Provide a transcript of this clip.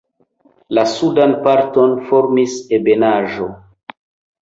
La sudan parton formis ebenaĵo.